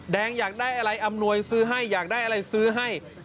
อยากได้อะไรอำนวยซื้อให้อยากได้อะไรซื้อให้